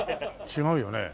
違うよね？